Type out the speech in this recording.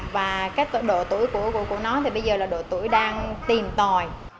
và các độ tuổi của nó thì bây giờ là độ tuổi đang tìm tòi